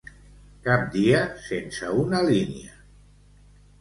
Cap dia sense una línia.